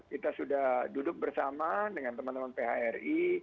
kita sudah duduk bersama dengan teman teman phri